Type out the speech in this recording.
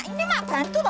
ini emak gantul lho